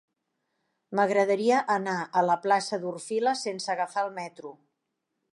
M'agradaria anar a la plaça d'Orfila sense agafar el metro.